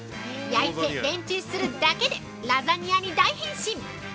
焼いて、レンチンするだけでラザニアに大変身。